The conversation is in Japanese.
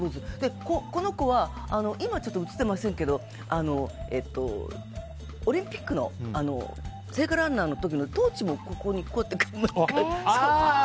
この子は、今写ってませんけどオリンピックの聖火ランナーの時のトーチもこうやって抱えて。